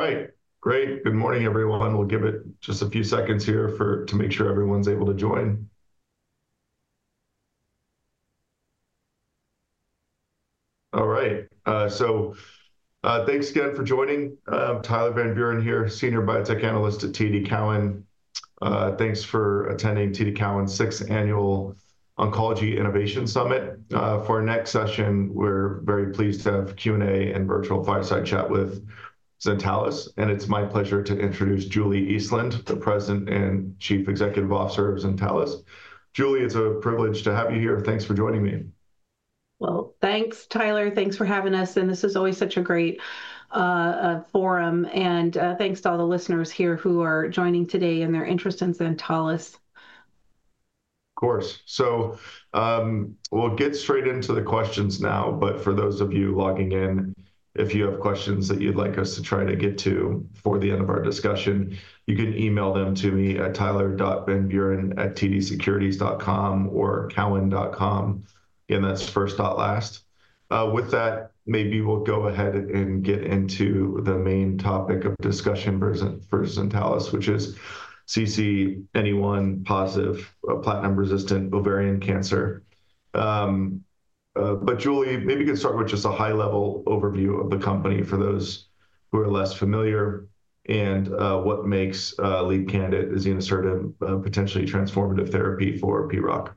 All right. Great. Good morning, everyone. We'll give it just a few seconds here to make sure everyone's able to join. All right. Thanks again for joining. Tyler Van Buren here, Senior Biotech Analyst at TD Cowen. Thanks for attending TD Cowen's Sixth Annual Oncology Innovation Summit. For our next session, we're very pleased to have Q&A and virtual fireside chat with Zentalis. It's my pleasure to introduce Julie Eastland, the President and Chief Executive Officer of Zentalis. Julie, it's a privilege to have you here. Thanks for joining me. Thanks, Tyler. Thanks for having us. This is always such a great forum. Thanks to all the listeners here who are joining today and their interest in Zentalis. Of course. We'll get straight into the questions now. For those of you logging in, if you have questions that you'd like us to try to get to for the end of our discussion, you can email them to me at tyler.vanburen@tdsecurities.com or cowen.com. Again, that's first, not last. With that, maybe we'll go ahead and get into the main topic of discussion for Zentalis, which is CCNE1-positive platinum-resistant ovarian cancer. Julie, maybe you could start with just a high-level overview of the company for those who are less familiar and what makes [lead candidate] azenosertib potentially transformative therapy for PROC.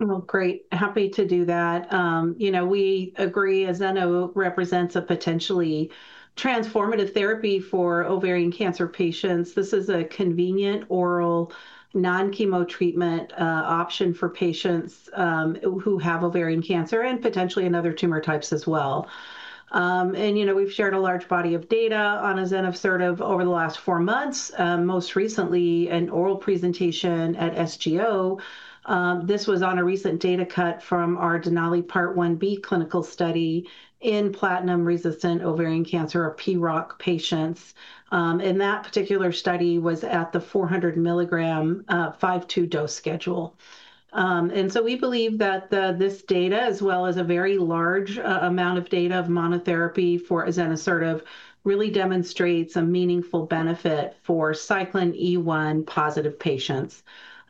Oh, great. Happy to do that. You know, we agree as azenosertib represents a potentially transformative therapy for ovarian cancer patients. This is a convenient oral non-chemo treatment option for patients who have ovarian cancer and potentially in other tumor types as well. You know, we have shared a large body of data on azenosertib over the last four months, most recently an oral presentation at SGO. This was on a recent data cut from our DENALI Part 1b clinical study in platinum-resistant ovarian cancer or PROC patients. That particular study was at the 400 mg 5/2 dose schedule. We believe that this data, as well as a very large amount of data of monotherapy for azenosertib, really demonstrates a meaningful benefit for Cyclin E1-positive patients.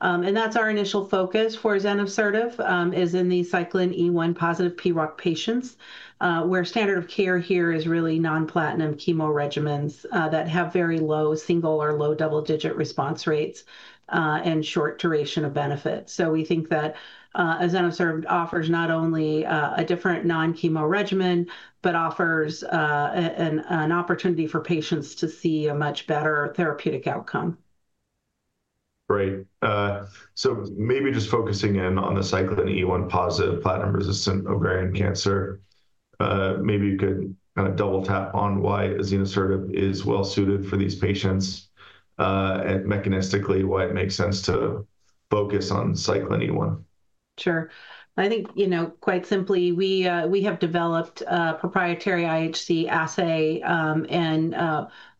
That is our initial focus for azenosertib is in the Cyclin E1-positive PROC patients, where standard of care here is really non-platinum chemo regimens that have very low-single or low-double digit response rates and short duration of benefit. We think that azenosertib offers not only a different non-chemo regimen, but offers an opportunity for patients to see a much better therapeutic outcome. Great. Maybe just focusing in on the Cyclin E1-positive platinum-resistant ovarian cancer, maybe you could kind of double tap on why azenosertib is well suited for these patients and mechanistically why it makes sense to focus on Cyclin E1. Sure. I think, you know, quite simply, we have developed a proprietary IHC assay and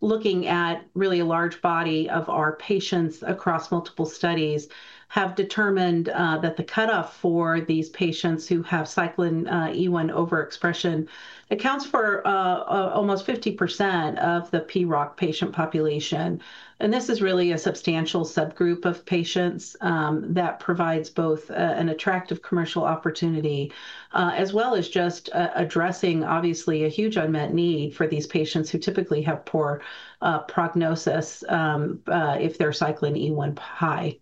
looking at really a large body of our patients across multiple studies have determined that the cutoff for these patients who have Cyclin E1 overexpression accounts for almost 50% of the PROC patient population. This is really a substantial subgroup of patients that provides both an attractive commercial opportunity as well as just addressing, obviously, a huge unmet need for these patients who typically have poor prognosis if they are Cyclin E1 high.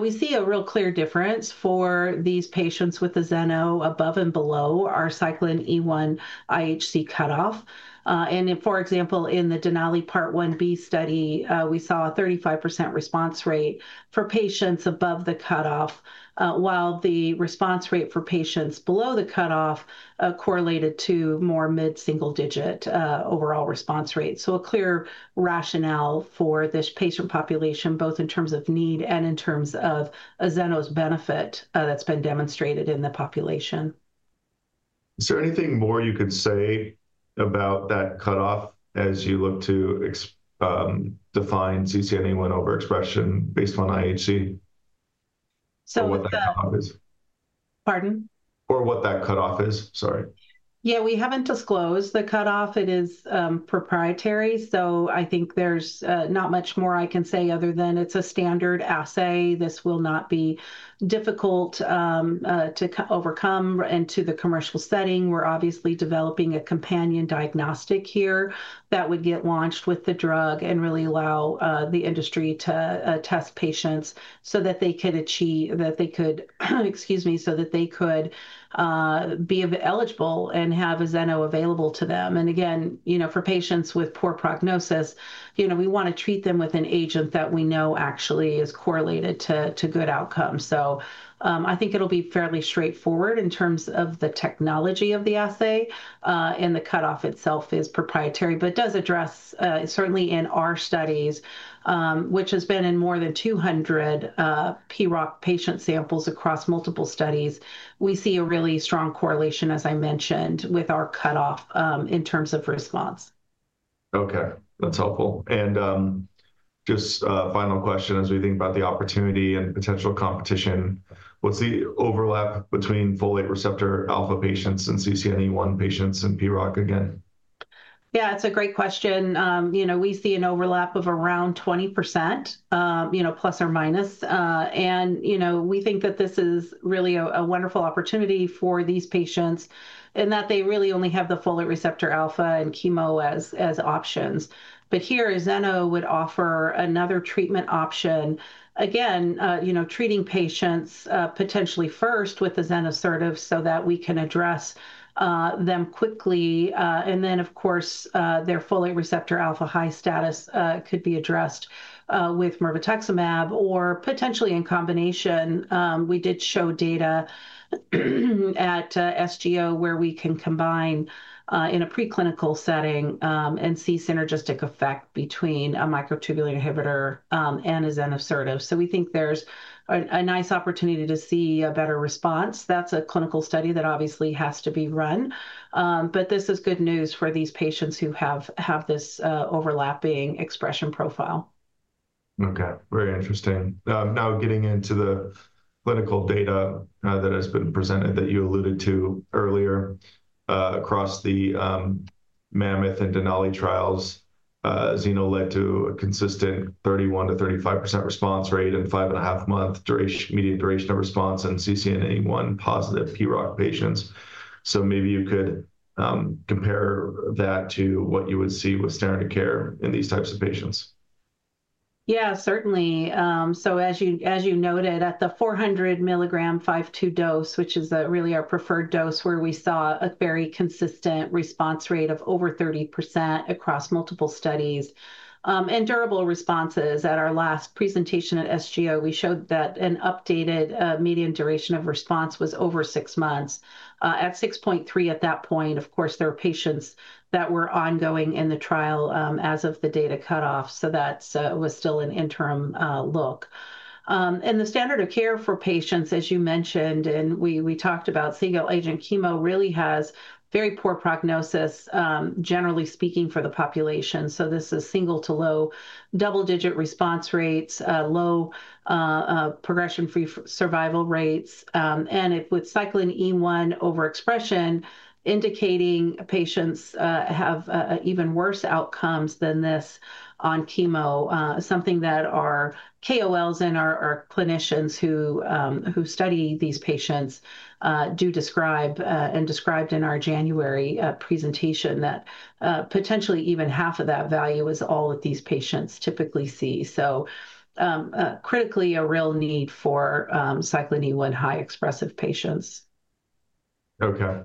We see a real clear difference for these patients with azenosertib above and below our Cyclin E1 IHC cutoff. For example, in the DENALI Part 1b study, we saw a 35% response rate for patients above the cutoff, while the response rate for patients below the cutoff correlated to more mid-single digit overall response rate. A clear rationale for this patient population, both in terms of need and in terms of azenosertib's benefit that's been demonstrated in the population. Is there anything more you could say about that cutoff as you look to define CCNE1 overexpression based on IHC? What the. Pardon? Or what that cutoff is, sorry. Yeah, we haven't disclosed the cutoff. It is proprietary. I think there's not much more I can say other than it's a standard assay. This will not be difficult to overcome. To the commercial setting, we're obviously developing a companion diagnostic here that would get launched with the drug and really allow the industry to test patients so that they could achieve, excuse me, so that they could be eligible and have azenosertib available to them. Again, you know, for patients with poor prognosis, you know, we want to treat them with an agent that we know actually is correlated to good outcomes. I think it'll be fairly straightforward in terms of the technology of the assay, and the cutoff itself is proprietary, but does address certainly in our studies, which has been in more than 200 PROC patient samples across multiple studies, we see a really strong correlation, as I mentioned, with our cutoff in terms of response. Okay. That's helpful. Just final question as we think about the opportunity and potential competition, what's the overlap between folate receptor alpha patients and CCNE1 patients in PROC again? Yeah, it's a great question. You know, we see an overlap of around 20%, you know, plus or minus. And you know, we think that this is really a wonderful opportunity for these patients in that they really only have the folate receptor alpha and chemo as options. But here, azenosertib would offer another treatment option. Again, you know, treating patients potentially first with azenosertib so that we can address them quickly. And then, of course, their folate receptor alpha high status could be addressed with mirvetuximab or potentially in combination. We did show data at SGO where we can combine in a preclinical setting and see synergistic effect between a microtubular inhibitor and azenosertib. So we think there's a nice opportunity to see a better response. That's a clinical study that obviously has to be run. This is good news for these patients who have this overlapping expression profile. Okay. Very interesting. Now getting into the clinical data that has been presented that you alluded to earlier across the MAMMOTH and DENALI trials, azenosertib led to a consistent 31%-35% response rate and five and a half month median duration of response in CCNE1-positive PROC patients. Maybe you could compare that to what you would see with standard of care in these types of patients. Yeah, certainly. As you noted, at the 400 mg 5/2 dose, which is really our preferred dose where we saw a very consistent response rate of over 30% across multiple studies and durable responses. At our last presentation at SGO, we showed that an updated median duration of response was over six months at 6.3 at that point. Of course, there are patients that were ongoing in the trial as of the data cutoff. That was still an interim look. The standard of care for patients, as you mentioned, and we talked about single agent chemo, really has very poor prognosis, generally speaking, for the population. This is single to low-double digit response rates, low progression-free survival rates. With Cyclin E1 overexpression indicating patients have even worse outcomes than this on chemo, something that our KOLs and our clinicians who study these patients do describe and described in our January presentation, that potentially even half of that value is all that these patients typically see. Critically, a real need for Cyclin E1 high expressive patients. Okay.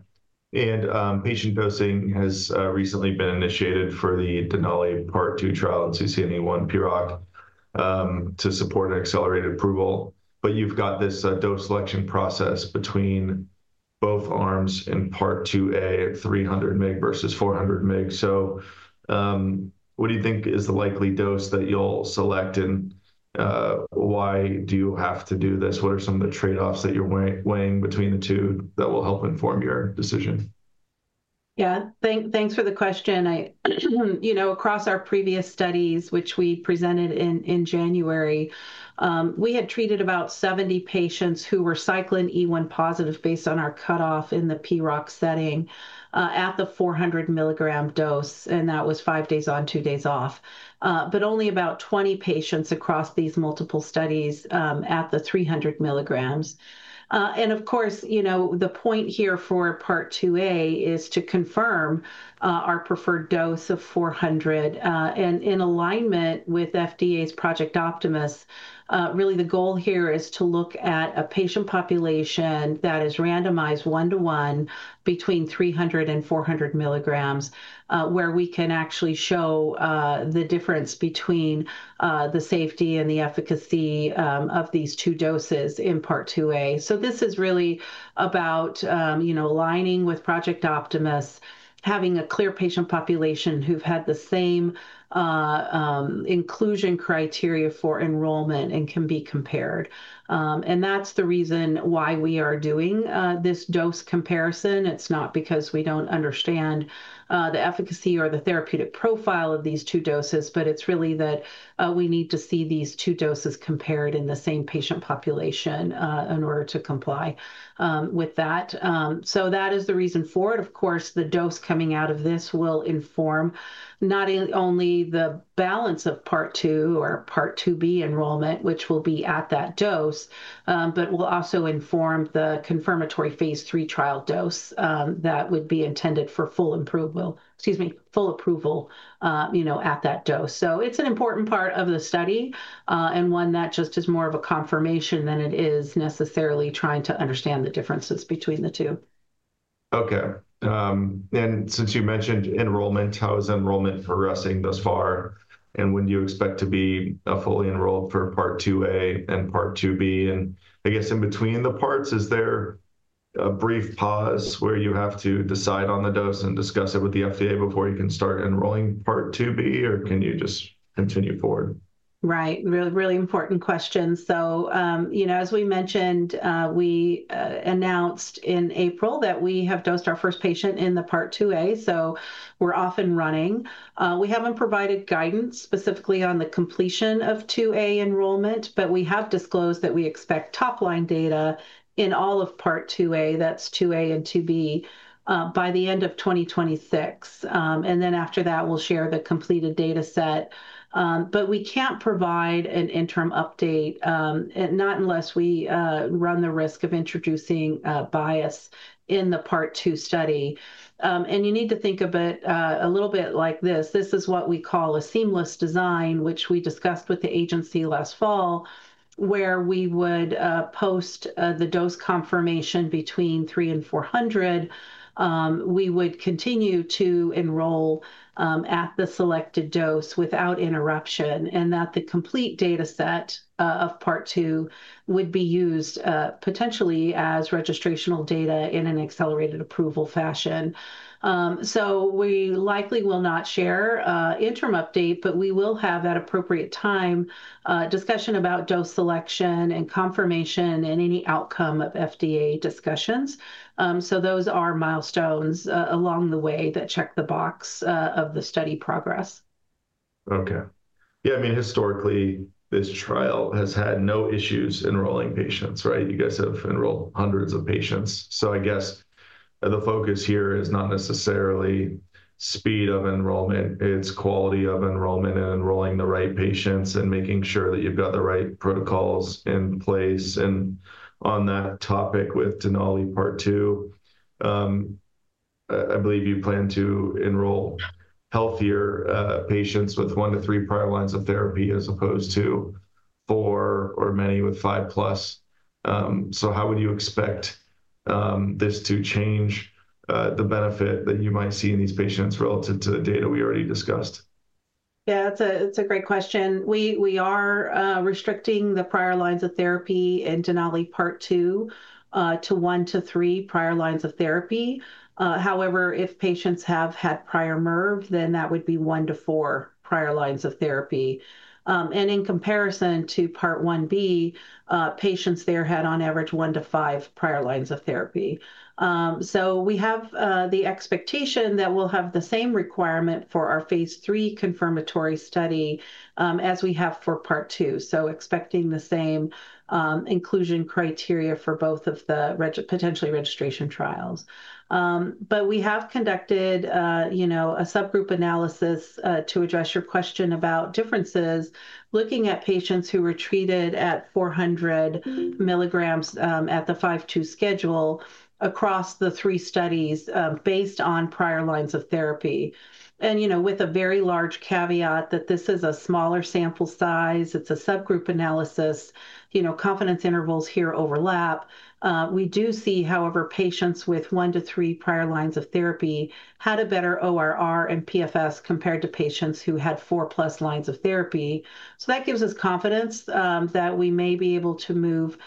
Patient dosing has recently been initiated for the DENALI Part 2 trial in CCNE1 PROC to support accelerated approval. You've got this dose selection process between both arms in Part 2a at 300 mg versus 400 mg. What do you think is the likely dose that you'll select and why do you have to do this? What are some of the trade-offs that you're weighing between the two that will help inform your decision? Yeah. Thanks for the question. You know, across our previous studies, which we presented in January, we had treated about 70 patients who were Cyclin E1 positive based on our cutoff in the PROC setting at the 400 mg dose. That was five days on, two days off, but only about 20 patients across these multiple studies at the 300 mg. Of course, you know, the point here for Part 2a is to confirm our preferred dose of 400 mg. In alignment with FDA's Project Optimus, really the goal here is to look at a patient population that is randomized one-to-one between 300 mg and 400 mg, where we can actually show the difference between the safety and the efficacy of these two doses in Part 2a. This is really about, you know, aligning with Project Optimus, having a clear patient population who've had the same inclusion criteria for enrollment and can be compared. That is the reason why we are doing this dose comparison. It's not because we don't understand the efficacy or the therapeutic profile of these two doses, but it's really that we need to see these two doses compared in the same patient population in order to comply with that. That is the reason for it. Of course, the dose coming out of this will inform not only the balance of Part 2 or Part 2b enrollment, which will be at that dose, but will also inform the confirmatory phase III trial dose that would be intended for full approval, excuse me, full approval, you know, at that dose. It's an important part of the study and one that just is more of a confirmation than it is necessarily trying to understand the differences between the two. Okay. Since you mentioned enrollment, how is enrollment progressing thus far? When do you expect to be fully enrolled for Part 2a and Part 2b? I guess in between the parts, is there a brief pause where you have to decide on the dose and discuss it with the FDA before you can start enrolling Part 2b, or can you just continue forward? Right. Really, really important question. So, you know, as we mentioned, we announced in April that we have dosed our first patient in the Part 2a. So we're off and running. We haven't provided guidance specifically on the completion of 2a enrollment, but we have disclosed that we expect top line data in all of Part 2a, that's 2a and 2b, by the end of 2026. After that, we'll share the completed data set. We can't provide an interim update, not unless we run the risk of introducing bias in the Part 2 study. You need to think of it a little bit like this. This is what we call a seamless design, which we discussed with the agency last fall, where we would post the dose confirmation between 300 mg and 400 mg. We would continue to enroll at the selected dose without interruption, and that the complete data set of Part 2 would be used potentially as registrational data in an accelerated approval fashion. We likely will not share interim update, but we will have at appropriate time discussion about dose selection and confirmation and any outcome of FDA discussions. Those are milestones along the way that check the box of the study progress. Okay. Yeah. I mean, historically, this trial has had no issues enrolling patients, right? You guys have enrolled hundreds of patients. I guess the focus here is not necessarily speed of enrollment, it's quality of enrollment and enrolling the right patients and making sure that you've got the right protocols in place. On that topic with DENALI Part 2, I believe you plan to enroll healthier patients with one to three prior lines of therapy as opposed to four or many with five plus. How would you expect this to change the benefit that you might see in these patients relative to the data we already discussed? Yeah, it's a great question. We are restricting the prior lines of therapy in DENALI Part 2 to one to three prior lines of therapy. However, if patients have had prior MRV, then that would be one to four prior lines of therapy. In comparison to Part 1b, patients there had on average one to five prior lines of therapy. We have the expectation that we'll have the same requirement for our phase III confirmatory study as we have for Part 2. Expecting the same inclusion criteria for both of the potentially registration trials. We have conducted, you know, a subgroup analysis to address your question about differences looking at patients who were treated at 400 mg at the 5/2 schedule across the three studies based on prior lines of therapy. You know, with a very large caveat that this is a smaller sample size, it's a subgroup analysis, you know, confidence intervals here overlap. We do see, however, patients with one to three prior lines of therapy had a better ORR and PFS compared to patients who had four plus lines of therapy. That gives us confidence that we may be able to move,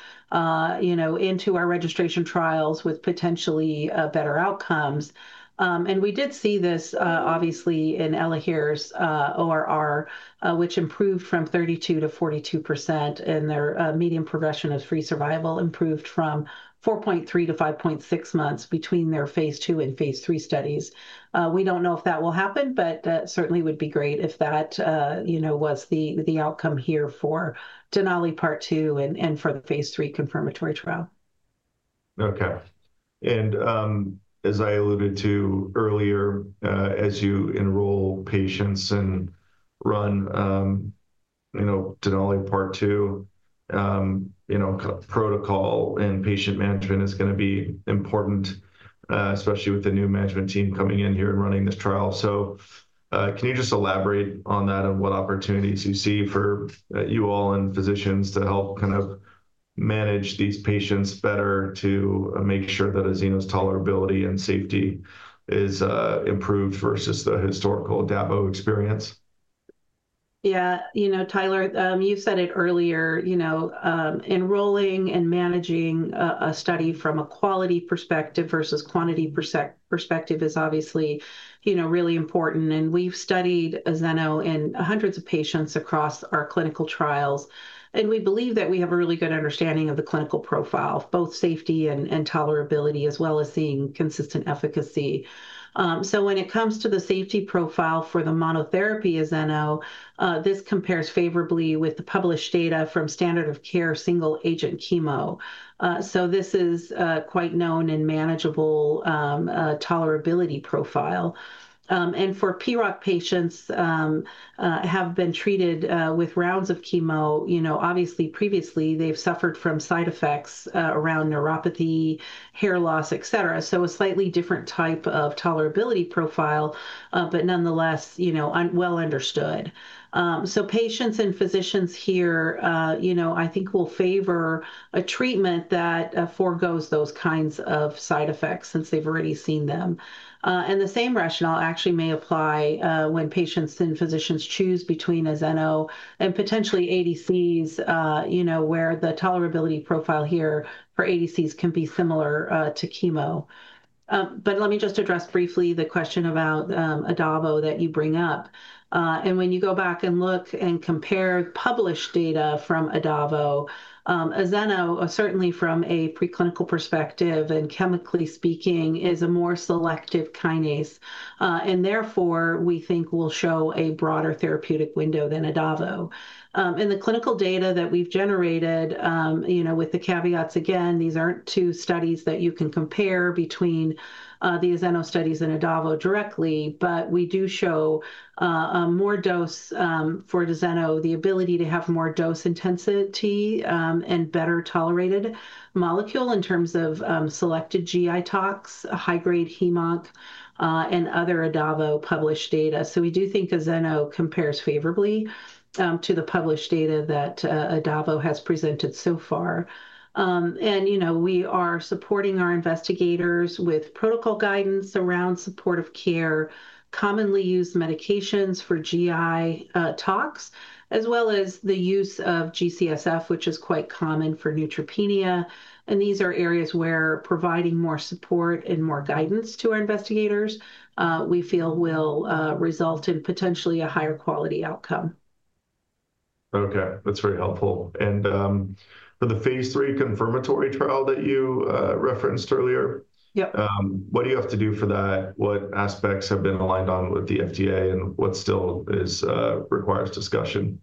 you know, into our registration trials with potentially better outcomes. We did see this obviously in ELAHERE's ORR, which improved from 32% to 42%, and their median progression-free survival improved from 4.3 to 5.6 months between their phase II and phase III studies. We do not know if that will happen, but certainly would be great if that, you know, was the outcome here for DENALI Part 2 and for the phase III confirmatory trial. Okay. As I alluded to earlier, as you enroll patients and run, you know, DENALI Part 2, you know, protocol and patient management is going to be important, especially with the new management team coming in here and running this trial. Can you just elaborate on that and what opportunities you see for you all and physicians to help kind of manage these patients better to make sure that azenosertib's tolerability and safety is improved versus the historical adavosertib experience? Yeah. You know, Tyler, you said it earlier, you know, enrolling and managing a study from a quality perspective versus quantity perspective is obviously, you know, really important. And we've studied azenosertib in hundreds of patients across our clinical trials. And we believe that we have a really good understanding of the clinical profile, both safety and tolerability, as well as seeing consistent efficacy. When it comes to the safety profile for the monotherapy of azenosertib, this compares favorably with the published data from standard of care single agent chemo. This is quite known and manageable tolerability profile. For PROC patients who have been treated with rounds of chemo, you know, obviously previously they've suffered from side effects around neuropathy, hair loss, et cetera. A slightly different type of tolerability profile, but nonetheless, you know, well understood. Patients and physicians here, you know, I think will favor a treatment that forgoes those kinds of side effects since they've already seen them. The same rationale actually may apply when patients and physicians choose between azenosertib and potentially ADCs, you know, where the tolerability profile here for ADCs can be similar to chemo. Let me just address briefly the question about adavosertib that you bring up. When you go back and look and compare published data from adavosertib, azenosertib, certainly from a preclinical perspective and chemically speaking, is a more selective kinase. Therefore, we think will show a broader therapeutic window than adavosertib. The clinical data that we've generated, you know, with the caveats, again, these aren't two studies that you can compare between the azenosertib studies and adavosertib directly, but we do show more dose for the azenosertib, the ability to have more dose intensity and better tolerated molecule in terms of selected GI tox, high-grade HemOnc, and other adavosertib published data. We do think azenosertib compares favorably to the published data that adavosertib has presented so far. You know, we are supporting our investigators with protocol guidance around supportive care, commonly used medications for GI tox, as well as the use of GCSF, which is quite common for neutropenia. These are areas where providing more support and more guidance to our investigators we feel will result in potentially a higher quality outcome. Okay. That's very helpful. For the phase III confirmatory trial that you referenced earlier, what do you have to do for that? What aspects have been aligned on with the FDA and what still requires discussion?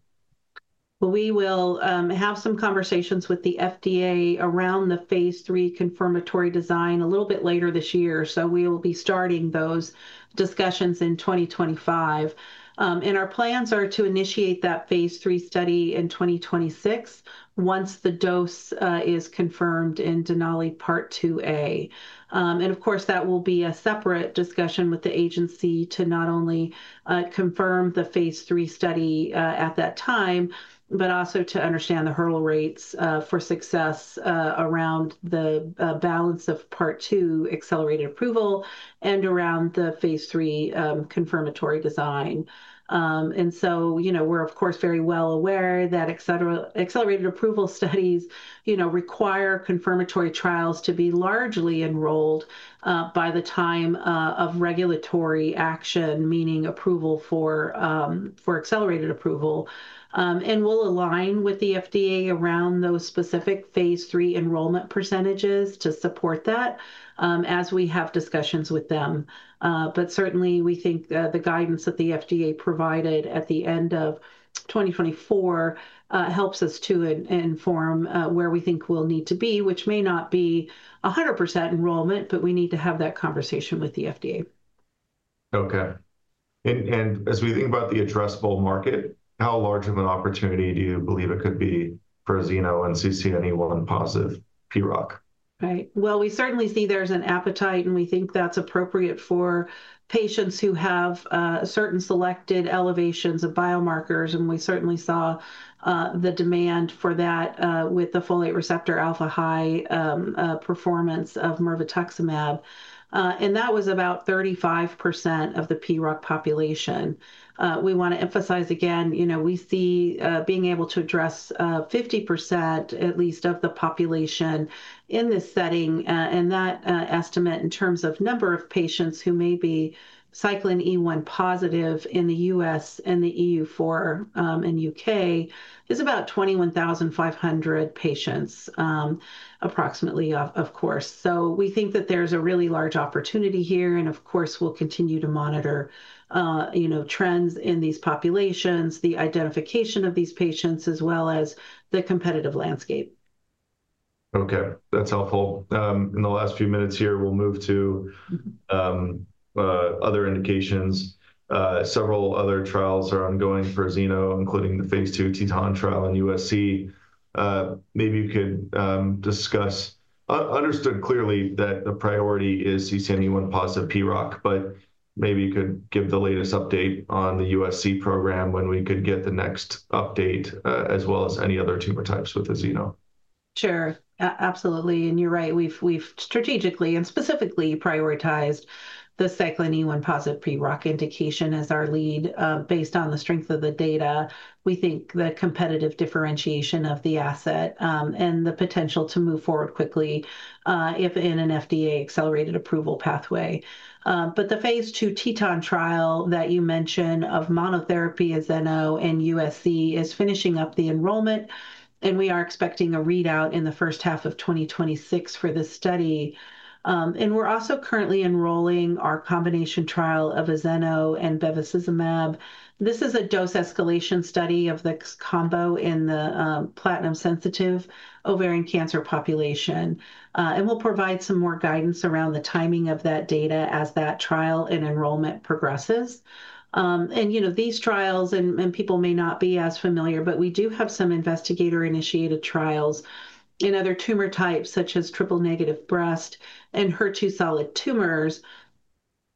We will have some conversations with the FDA around the phase III confirmatory design a little bit later this year. We will be starting those discussions in 2025. Our plans are to initiate that phase III study in 2026 once the dose is confirmed in DENALI Part 2a. Of course, that will be a separate discussion with the agency to not only confirm the phase III study at that time, but also to understand the hurdle rates for success around the balance of Part 2 accelerated approval and around the phase III confirmatory design. You know, we're of course very well aware that accelerated approval studies, you know, require confirmatory trials to be largely enrolled by the time of regulatory action, meaning approval for accelerated approval. We will align with the FDA around those specific phase III enrollment percentages to support that as we have discussions with them. Certainly, we think the guidance that the FDA provided at the end of 2024 helps us to inform where we think we will need to be, which may not be 100% enrollment, but we need to have that conversation with the FDA. Okay. As we think about the addressable market, how large of an opportunity do you believe it could be for azenosertib and CCNE1-positive PROC? Right. We certainly see there's an appetite and we think that's appropriate for patients who have certain selected elevations of biomarkers. We certainly saw the demand for that with the folate receptor alpha high performance of mirvetuximab. That was about 35% of the PROC population. We want to emphasize again, you know, we see being able to address at least 50% of the population in this setting. That estimate in terms of number of patients who may be Cyclin E1 positive in the U.S. and the EU and U.K. is about 21,500 patients approximately, of course. We think that there's a really large opportunity here. Of course, we'll continue to monitor, you know, trends in these populations, the identification of these patients, as well as the competitive landscape. Okay. That's helpful. In the last few minutes here, we'll move to other indications. Several other trials are ongoing for Zeno, including the phase II TETON trial in USC. Maybe you could discuss, understood clearly that the priority is CCNE1-positive PROC, but maybe you could give the latest update on the USC program when we could get the next update as well as any other tumor types with azenosertib. Sure. Absolutely. You're right. We've strategically and specifically prioritized the Cyclin E1-positive PROC indication as our lead based on the strength of the data. We think the competitive differentiation of the asset and the potential to move forward quickly if in an FDA accelerated approval pathway. The phase II TETON trial that you mentioned of monotherapy of azenosertib in USC is finishing up the enrollment. We are expecting a readout in the first half of 2026 for this study. We're also currently enrolling our combination trial of azenosertib and bevacizumab. This is a dose escalation study of the combo in the platinum-sensitive ovarian cancer population. We'll provide some more guidance around the timing of that data as that trial and enrollment progresses. You know, these trials, and people may not be as familiar, but we do have some investigator-initiated trials in other tumor types such as triple negative breast and HER2 solid tumors.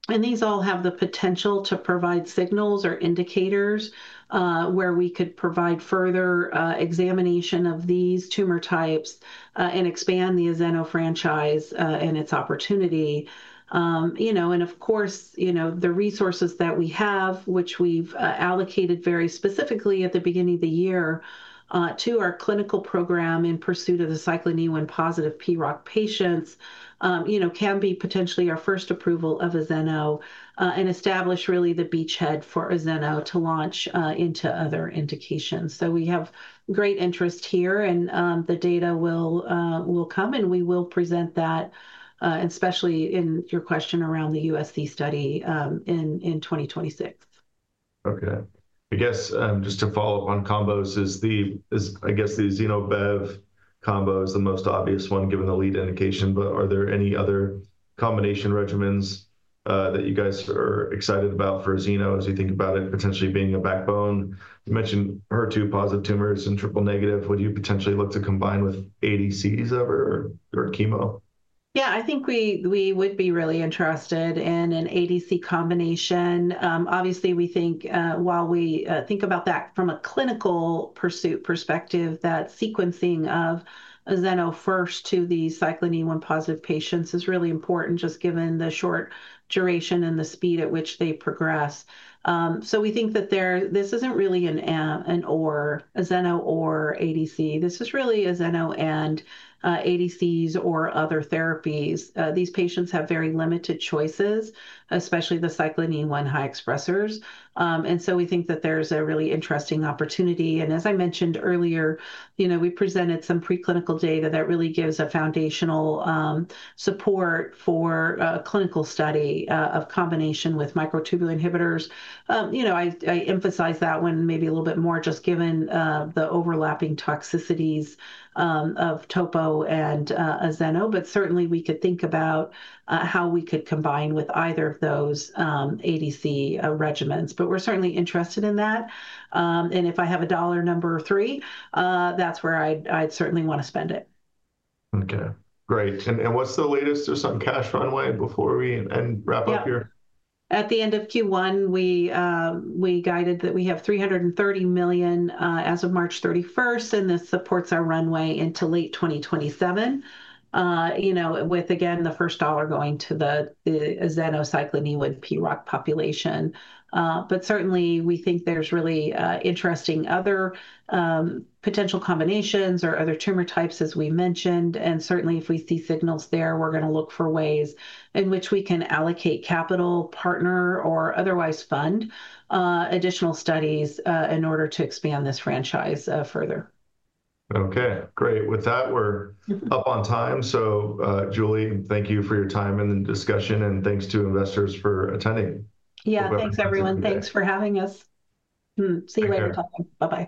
These all have the potential to provide signals or indicators where we could provide further examination of these tumor types and expand the azenosertib franchise and its opportunity. You know, the resources that we have, which we've allocated very specifically at the beginning of the year to our clinical program in pursuit of the Cyclin E1 positive PROC patients, can be potentially our first approval of azenosertib and establish really the beachhead for azenosertib to launch into other indications. We have great interest here and the data will come, and we will present that, especially in your question around the USC study in 2026. Okay. I guess just to follow up on combos, is the, I guess the azeno-bev combo is the most obvious one given the lead indication, but are there any other combination regimens that you guys are excited about for azenosertib as you think about it potentially being a backbone? You mentioned HER2 positive tumors and triple negative. Would you potentially look to combine with ADCs ever or chemo? Yeah, I think we would be really interested in an ADC combination. Obviously, we think while we think about that from a clinical pursuit perspective, that sequencing of azenosertib first to the Cyclin E1-positive patients is really important just given the short duration and the speed at which they progress. We think that this isn't really an or azenosertib or ADC. This is really azenosertib and ADCs or other therapies. These patients have very limited choices, especially the Cyclin E1 high expressors. We think that there's a really interesting opportunity. As I mentioned earlier, you know, we presented some preclinical data that really gives a foundational support for a clinical study of combination with microtubule inhibitors. You know, I emphasize that one maybe a little bit more just given the overlapping toxicities of topo and azenosertib, but certainly we could think about how we could combine with either of those ADC regimens. We're certainly interested in that. If I have a dollar number three, that's where I'd certainly want to spend it. Okay. Great. What's the latest or some cash runway before we wrap up here? Yeah. At the end of Q1, we guided that we have $330 million as of March 31st, and this supports our runway into late 2027, you know, with again, the first dollar going to the azenosertib Cyclin E1 PROC population. Certainly we think there's really interesting other potential combinations or other tumor types, as we mentioned. Certainly if we see signals there, we're going to look for ways in which we can allocate capital, partner, or otherwise fund additional studies in order to expand this franchise further. Okay. Great. With that, we're up on time. So Julie, thank you for your time and the discussion, and thanks to investors for attending. Yeah, thanks everyone. Thanks for having us. See you later. Bye-bye.